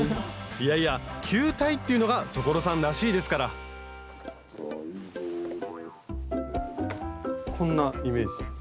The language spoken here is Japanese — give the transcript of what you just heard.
いやいや球体っていうのが所さんらしいですからこんなイメージ。